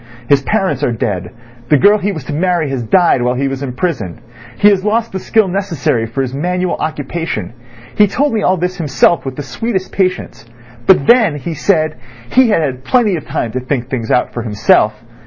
His parents are dead; the girl he was to marry has died while he was in prison; he has lost the skill necessary for his manual occupation. He told me all this himself with the sweetest patience; but then, he said, he had had plenty of time to think out things for himself.